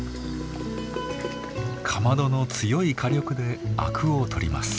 かまどの強い火力でアクを取ります。